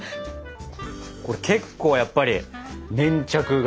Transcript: これ結構やっぱり粘着が。